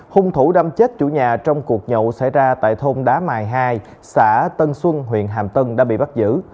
hung thủ đâm chết chủ nhà trong cuộc nhậu xảy ra tại thôn đá mài hai xã tân xuân huyện hàm tân đã bị bắt giữ